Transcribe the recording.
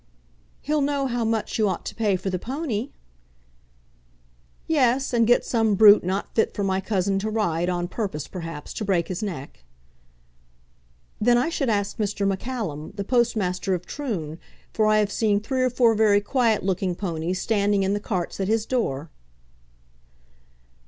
"He'll know how much you ought to pay for the pony." "Yes, and get some brute not fit for my cousin to ride, on purpose, perhaps, to break his neck." "Then I should ask Mr. Macallum, the postmaster of Troon, for I have seen three or four very quiet looking ponies standing in the carts at his door."